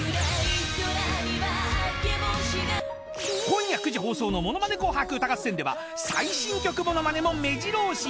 ［今夜９時放送の『ものまね紅白歌合戦』では最新曲ものまねもめじろ押し］